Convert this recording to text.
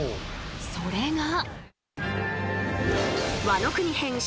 ［それが］